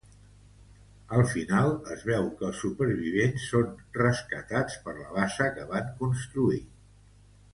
Al final es veu que els supervivents són rescatats per la bassa que van construir.